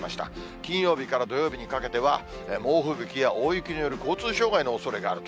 金曜日から土曜日にかけては、猛吹雪や大雪による交通障害のおそれがあると。